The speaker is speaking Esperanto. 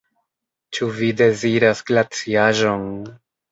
Ĉu vi deziras glaciaĵon?